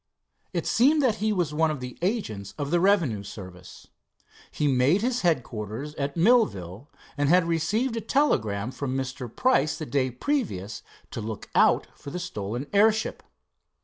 It seemed that he was one of the agents of the revenue service. He made his headquarters at Millville, and had received a telegram from Mr. Price the day previous to look out for the stolen airship.